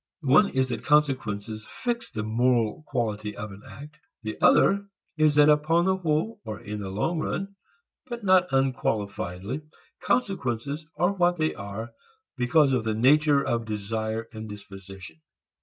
One is that consequences fix the moral quality of an act. The other is that upon the whole, or in the long run but not unqualifiedly, consequences are what they are because of the nature of desire and disposition.